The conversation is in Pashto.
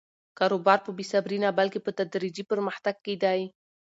کاروبار په بې صبري نه، بلکې په تدریجي پرمختګ کې دی.